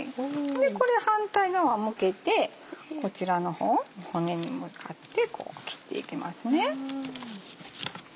でこれ反対側向けてこちらの方骨に向かって切っていきますね。